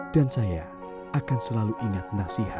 dan saya akan selalu ingat nasihat untuk menghargai wajahmu